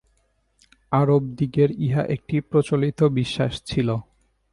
আরবদিগের ইহা একটি প্রচলিত বিশ্বাস ছিল।